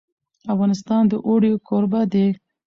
افغانستان د اوړي کوربه دی.